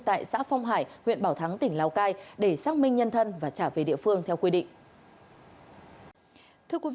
tại xã phong hải huyện bảo thắng tỉnh lào cai để xác minh nhân thân và trả về địa phương theo quy định